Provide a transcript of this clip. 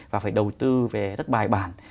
và phải đầu tư về đất bài bản